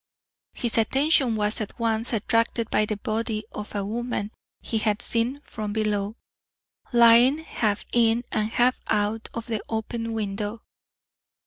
His attention was at once attracted by the body of the woman he had seen from below, lying half in and half out of the open window.